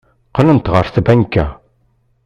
Qqlent ɣer tbanka.